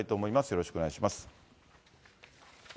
よろしくお願いします。